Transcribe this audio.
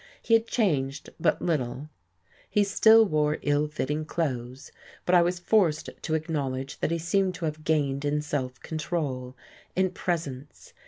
He had changed but little, he still wore ill fitting clothes, but I was forced to acknowledge that he seemed to have gained in self control, in presence.